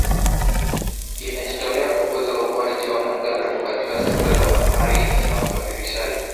Imejitolea kukuza ukuaji wa muda mrefu katika sekta za baharini na usafirishaji